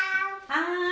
はい。